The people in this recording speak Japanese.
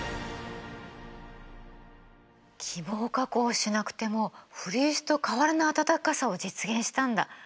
起毛加工しなくてもフリースと変わらない暖かさを実現したんだ。